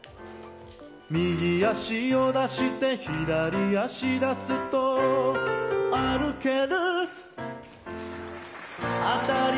右足を出して、左足出すと歩ける。